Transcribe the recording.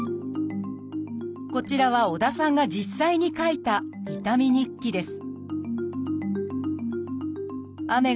こちらは織田さんが実際に書いた「痛み日記」です